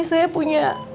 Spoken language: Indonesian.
iya ya kita pulang ya